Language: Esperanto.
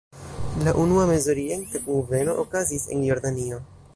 La unua Mezorienta kunveno okazis en Jordanio.